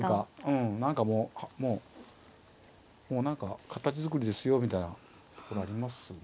うん何かもうもうもう何か形づくりですよみたいなところありますね。